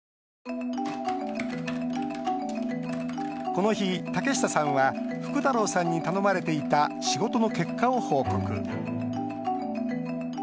この日、竹下さんは福太郎さんに頼まれていた仕事の結果を報告。